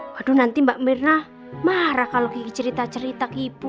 waduh nanti mbak mirna marah kalau cerita cerita ke ibu